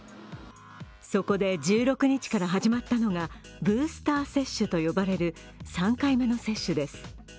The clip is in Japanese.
そこで１６日から始まったのがブースター接種と呼ばれる３回目の接種です。